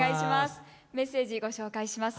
メッセージをご紹介します。